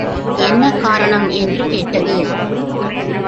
என்ன காரணம்? என்று கேட்டது.